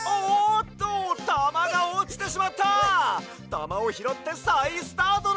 たまをひろってさいスタートだ！